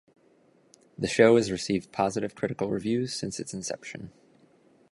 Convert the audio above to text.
The show has received positive critical reviews since its inception.